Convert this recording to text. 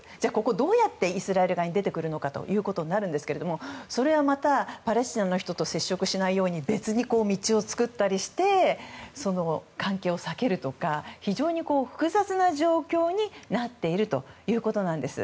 どうやってイスラエル側に出てくるのかということになるんですがそれはまた、パレスチナの人と接触しないように別に道を作ったりして関係を避けるとか複雑な状況になっているということなんです。